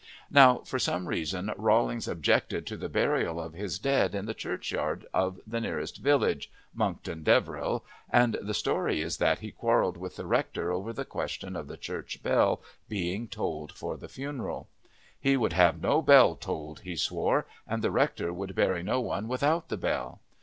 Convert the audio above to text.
Now, for some reason Rawlings objected to the burial of his dead in the churchyard of the nearest village Monkton Deverill, and the story is that he quarrelled with the rector over the question of the church bell being tolled for the funeral. He would have no bell tolled, he swore, and the rector would bury no one without the bell.